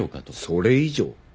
それ以上？